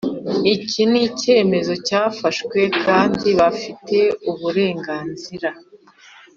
Iki N icyemezo cyafashwe kandi bafite uburenganzira